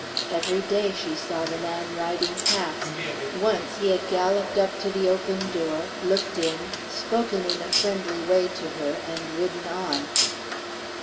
Every day she saw the man riding past. Once he had galloped up to the open door, looked in, spoken in a friendly way to her, and ridden on.